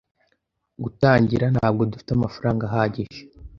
Gutangira, ntabwo dufite amafaranga ahagije.